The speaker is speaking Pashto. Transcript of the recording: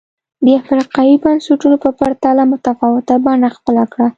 د افریقايي بنسټونو په پرتله متفاوته بڼه خپله کړه.